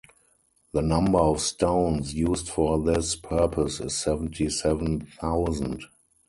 The number of stones used for this purpose is seventy-seven thousand.